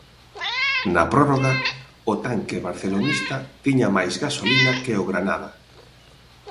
Na prórroga o tanque barcelonista tiña máis gasolina que o Granada.